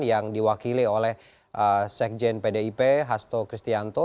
yang diwakili oleh sekjen pdip hasto kristianto